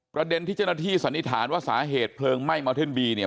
ประเด็นที่เจ้าหน้าที่สันนิษฐานว่าสาเหตุเพลิงไหม้เมาเทิร์นบีเนี่ย